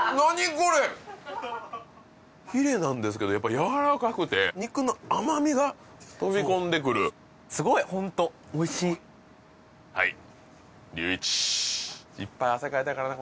これヒレなんですけどやっぱりやわらかくて肉の甘みが飛び込んでくるすごいホントおいしいはい竜一いっぱい汗かいたからね